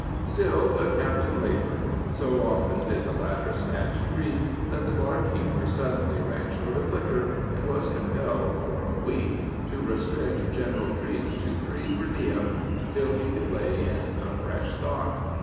Still the captain labored. So often did the latter stand treat that the barkeeper suddenly ran short of liquor, and was compelled, for a week, to restrict general treats to three per diem until he could lay in a fresh stock.